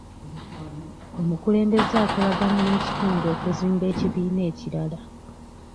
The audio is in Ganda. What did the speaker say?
Omukulembeze akolagana n'ekitundu okuzimba ekibiina ekirala.